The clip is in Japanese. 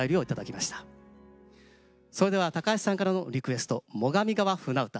それでは橋さんからのリクエスト「最上川舟唄」。